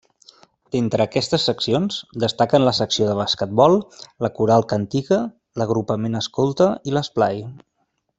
D'entre aquestes seccions, destaquen la secció de basquetbol, la Coral Cantiga, l'agrupament escolta i l'esplai.